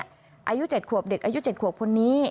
อายุ๗ขวบเด็กอายุ๗ขวบคนนี้